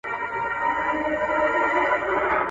مسجود کیدل د درناوي لوړه کچه ده.